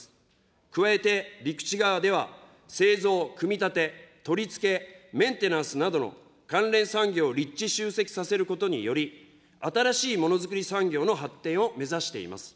加えて陸地側では、製造・組み立て、取り付け、メンテナンスなどの関連産業を立地集積させることにより、新しいものづくり産業の発展を目指しています。